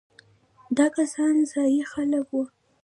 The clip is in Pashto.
دا کسان ځايي خلک وو.